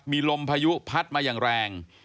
มีลมพายุพัดมาอย่างแรง